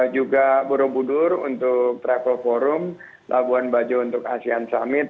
juga borobudur untuk travel forum labuan bajo untuk asean summit